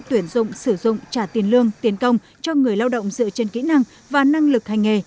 tuyển dụng sử dụng trả tiền lương tiền công cho người lao động dựa trên kỹ năng và năng lực hành nghề